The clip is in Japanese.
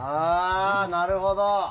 なるほど。